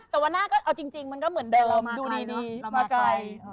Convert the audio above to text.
แต่วันหน้าก็เอาจริงมันก็เหมือนเดิมดูดีมาไกล